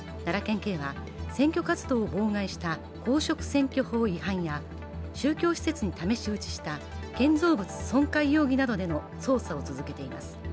警は選挙活動を妨害した公職選挙法違反や宗教施設に試し撃ちした建造物損壊容疑などでの捜査を続けています。